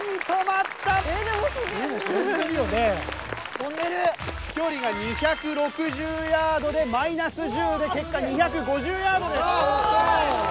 飛距離が２６０ヤードでマイナス１０で結果２５０ヤードです。